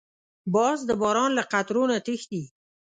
باز د باران له قطرو نه تښتي